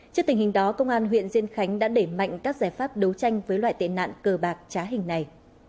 trước tình hình đó công an huyện diên khánh đã đẩy mạnh các giải pháp đấu tranh với loại tệ nạn cờ bạc trá hình này